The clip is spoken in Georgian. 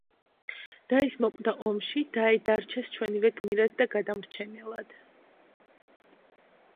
და ის მოკვდა ომში დაე დარჩეს ჩვენივე გმირად და გადამრჩენელად.